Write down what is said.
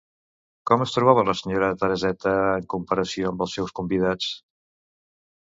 Com es trobava la senyora Tereseta en comparació amb els seus convidats?